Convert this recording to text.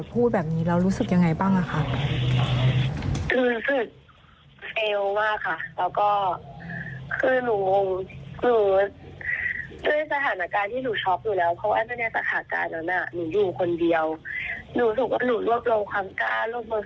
พอฟังตำรวจพูดแบบนี้เรารู้สึกอย่างไรบ้าง